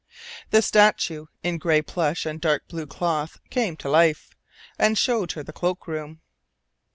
The statue in gray plush and dark blue cloth came to life, and showed her the cloak room.